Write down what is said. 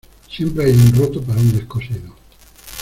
Siempre hay un roto para un descosido.